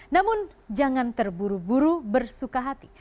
namun jangan terburu buru bersuka hati